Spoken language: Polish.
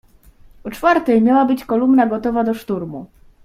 "O czwartej miała być kolumna gotowa do szturmu."